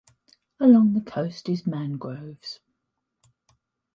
Along the coast is mangroves.